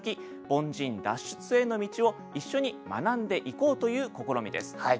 凡人脱出への道を一緒に学んでいこうという試みです。